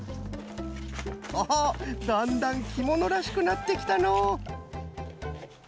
オホッだんだんきものらしくなってきたのう。